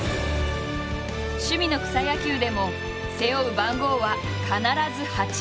趣味の草野球でも背負う番号は必ず「８」。